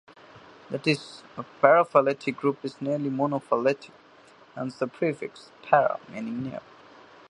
That is, a paraphyletic group is 'nearly' monophyletic, hence the prefix 'para', meaning 'near'.